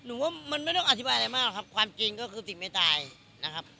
ว่ามันไม่ต้องอธิบายอะไรมากหรอกครับความจริงก็คือสิ่งไม่ตายนะครับ